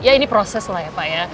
ya ini proses lah ya pak ya